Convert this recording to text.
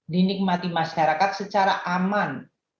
dinikmati masyarakat secara aman